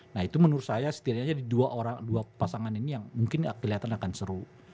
nah itu menurut saya setidaknya di dua pasangan ini yang mungkin kelihatan akan seru